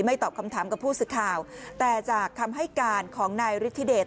ตอบคำถามกับผู้สื่อข่าวแต่จากคำให้การของนายฤทธิเดช